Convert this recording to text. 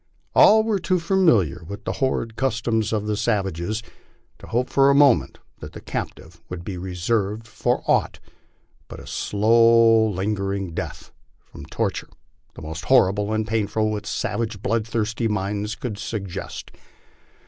All were too familiar with the horrid customs of the sav ages to hope for a moment that the captive would be reserved for aught but a LIFE ON THE PLAINS. Ill slow liage ing death, from torture the most horrible and painful which savage, bloodthirsty minds could suggest.